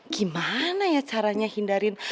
gimana ya caranya hindarin